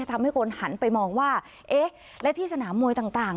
ทำให้คนหันไปมองว่าเอ๊ะและที่สนามมวยต่าง